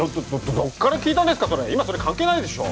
どこから聞いたんですかそれ今それ関係ないでしょう！